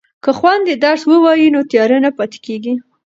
که خویندې درس ووایي نو تیاره نه پاتې کیږي.